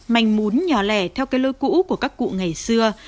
mảnh mún nhỏ lẻ theo cái lôi cũ của các cụ ngày xưa